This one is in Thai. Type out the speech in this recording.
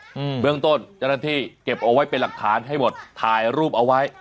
อืมเบื้องต้นเจ้าหน้าที่เก็บเอาไว้เป็นหลักฐานให้หมดถ่ายรูปเอาไว้